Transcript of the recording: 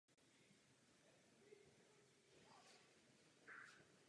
Školní zařízení vzniká listinou o zařízení a také zápisem do školského rejtříku.